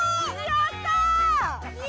やった！